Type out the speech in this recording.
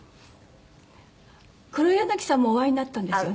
黒柳さんもお会いになったんですよね？